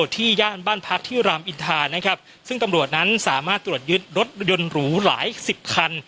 ย่านบ้านพักที่รามอินทานะครับซึ่งตำรวจนั้นสามารถตรวจยึดรถยนต์หรูหลายสิบคัน